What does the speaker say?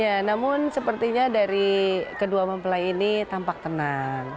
ya namun sepertinya dari kedua mempelai ini tampak tenang